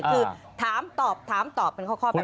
คือถามตอบถามตอบเป็นข้อแบบนี้